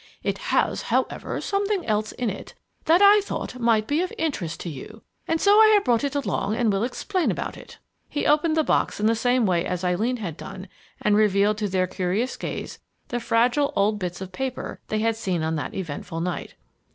It has, however, something else in it, that I thought might be of interest to you, and so I have brought it along and will explain about it." He opened the box in the same way as Eileen had done and revealed to their curious gaze the fragile old bits of paper they had seen on that eventful night.